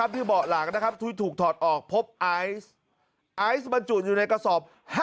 ด้านที่เบาะหลังนะครับถูกถอดออกพบไอซ์ไอซ์มันจุดอยู่ในกระสอบ